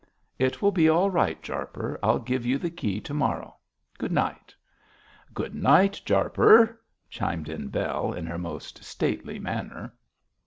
'It will be all right, Jarper. I'll give you the key to morrow. Good night!' 'Good night, Jarper!' chimed in Bell, in her most stately manner.